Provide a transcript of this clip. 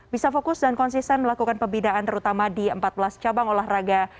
bisa fokus dan konsisten melakukan pembinaan terutama di empat belas cabang olahraga